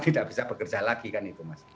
tidak bisa bekerja lagi kan itu mas